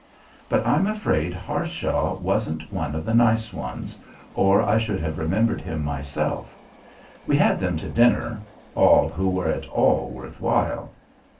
But I'm afraid Harshaw wasn't one of the nice ones, or I should have remembered him myself; we had them to dinner all who were at all worth while.